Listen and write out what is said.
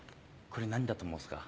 これ何だと思いますか？